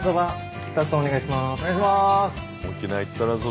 お願いします。